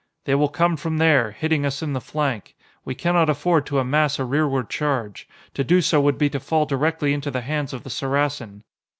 "They will come from there, hitting us in the flank; we cannot afford to amass a rearward charge. To do so would be to fall directly into the hands of the Saracen."